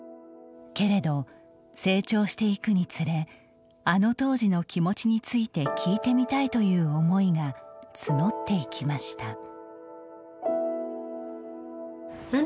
けれど、成長していくにつれあの当時の気持ちについて聞いてみたいという思いが募っていきました。